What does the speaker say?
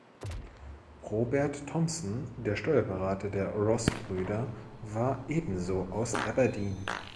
Robert Thomson, der Steuerberater der Ross-Brüder war ebenso aus Aberdeen.